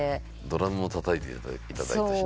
ドラムもたたいていただいたし。